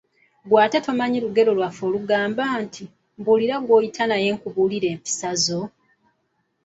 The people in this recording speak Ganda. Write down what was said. Ggwe ate tomanyi lugero lwaffe olugamba nti , "Mbuulira gwoyita naye nkubuulire empisa zo?